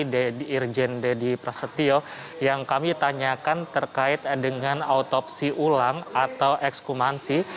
dedi irjen dedi prasetyo yang kami tanyakan terkait dengan otopsi ulang atau ekskumansi